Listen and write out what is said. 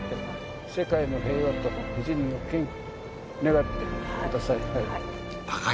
世界の平和と人類の健康を願ってください。